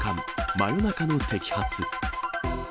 真夜中の摘発。